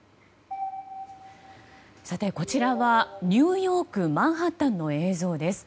こちらはニューヨークマンハッタンの映像です。